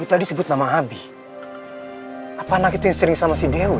apa yang dilakukan sama dewi